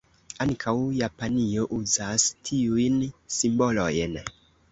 Ankaŭ Japanio uzas tiujn simbolojn.